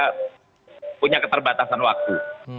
mereka punya keterbatasan waktu